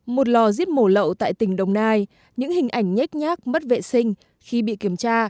một lò giếp mổ lậu tại tỉnh đồng nai những hình ảnh nhét nhát mất vệ sinh khi bị kiểm tra